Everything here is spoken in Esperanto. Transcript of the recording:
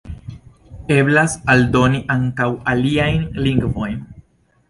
Eblas aldoni ankaŭ aliajn lingvojn.